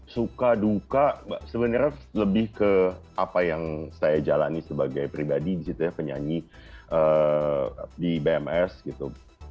suka duka sebenarnya lebih ke apa yang saya jalani sebagai pribadi gitu ya penyanyi di bms gitu